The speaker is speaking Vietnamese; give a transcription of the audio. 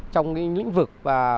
trong những lĩnh vực